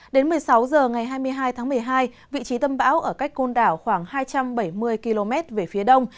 đến một mươi sáu h ngày hai mươi hai tháng một mươi hai vị trí tâm bão ở cách côn đảo khoảng hai trăm bảy mươi km về phía đông